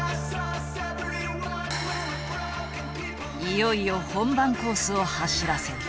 いよいよ本番コースを走らせる。